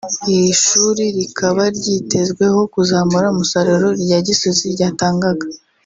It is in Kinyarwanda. iri shuri rikaba ryitezweho kuzamura umusaruro irya gisozi ryatangaga